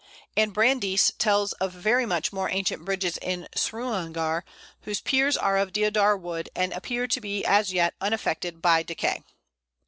And Brandis tells of very much more ancient bridges in Srunagar, whose piers are of Deodar wood, and appear to be as yet unaffected by decay.